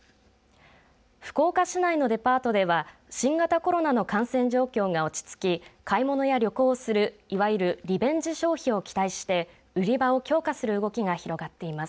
福岡市内のデパートでは新型コロナの感染状況が落ち着き買い物や旅行をする、いわゆるリベンジ消費を期待して売り場を強化する動きが広がっています。